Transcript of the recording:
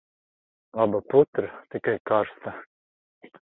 Laba putra, tikai karsta...